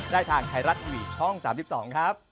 ได้ทางไทรัตน์อีวียช่อง๓๒ครับ